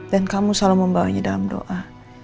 dan kamu selalu membawanya dalam doa